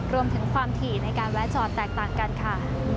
รวมถึงความถี่ในการแวะจอดแตกต่างกันค่ะ